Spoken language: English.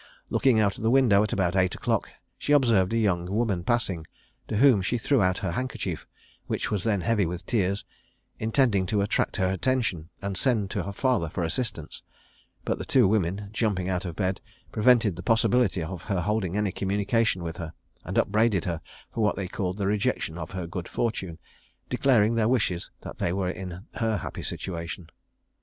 Looking out of the window at about eight o'clock, she observed a young woman passing, to whom she threw out her handkerchief, which was then heavy with tears, intending to attract her attention and send to her father for assistance; but the two women, jumping out of bed, prevented the possibility of her holding any communication with her, and upbraided her for what they called the rejection of her good fortune, declaring their wishes that they were in her happy situation.